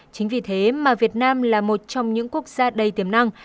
chính vì thế mà việt nam là một trong những quốc gia đầy tiềm năng